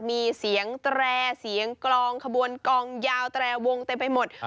มีเสียงแตรเสียงกลองขบวนกองยาวแตรวงเต็มไปหมด